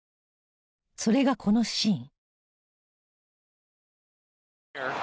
それがこのシーン。